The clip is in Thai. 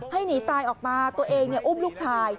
หนีตายออกมาตัวเองอุ้มลูกชาย